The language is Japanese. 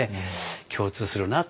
共通するなって。